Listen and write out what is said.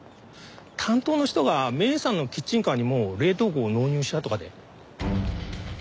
担当の人が芽依さんのキッチンカーにも冷凍庫を納入したとかで。